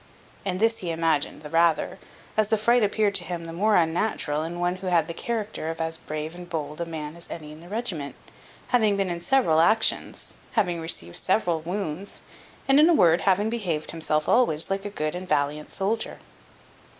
And this he imagined the rather, as the fright appeared to him the more unnatural in one who had the character of as brave and bold a man as any in the regiment, having been in several actions, having received several wounds, and, in a word, having behaved himself always like a good and valiant soldier.